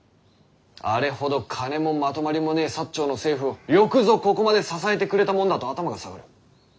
あれほど金もまとまりもねぇ長の政府をよくぞここまで支えてくれたもんだと頭が下がる。